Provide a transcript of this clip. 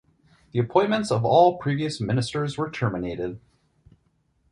The appointments of all previous ministers were terminated.